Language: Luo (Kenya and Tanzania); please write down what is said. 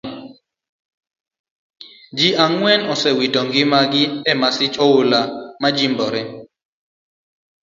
Ji angwen osewito ngima gi e masich oula majimbore.